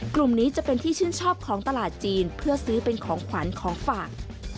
กลุ่มนี้จะเป็นที่ชื่นชอบของตลาดจีนเพื่อซื้อเป็นของขวัญของฝาก